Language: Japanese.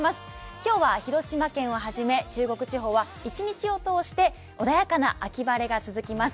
今日は広島県をはじめ一日を通して穏やかな秋晴れが続きます。